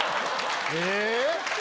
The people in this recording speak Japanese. え⁉